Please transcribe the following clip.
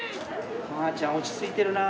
マーちゃん落ち着いてるな。